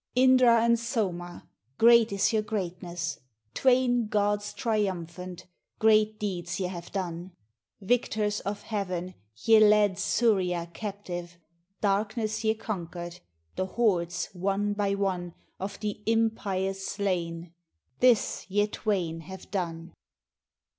] Indra and Soma, great is your greatness! Twain gods triumphant, great deeds ye have done. Victors of Heaven, ye led Surya captive, Darkness ye conquered, the Hordes one by one Of the Impious slain — this ye Twain have done